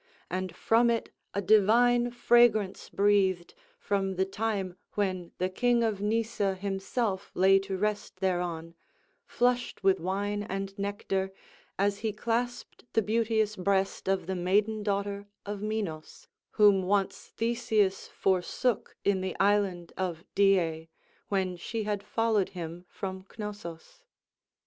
And from it a divine fragrance breathed from the time when the king of Nysa himself lay to rest thereon, flushed with wine and nectar as he clasped the beauteous breast of the maiden daughter of Minos, whom once Theseus forsook in the island of Dia, when she had followed him from Cnossus.